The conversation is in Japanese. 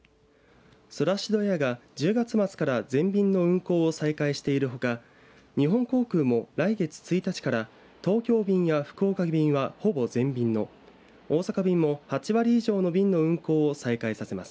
ソラシドエアが１０月末から全便の運航を再開しているほか日本航空も来月１日から東京便や福岡便は、ほぼ全便の大阪便も８割以上の便の運航を再開させます。